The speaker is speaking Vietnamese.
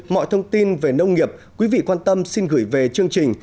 mọi thông tin về nông nghiệp quý vị quan tâm xin gửi về chương trình